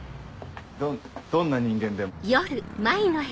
どんどんな人間でも。